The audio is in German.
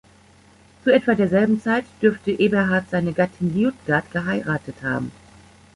Zu etwa derselben Zeit dürfte Eberhard seine Gattin Liutgard geheiratet haben.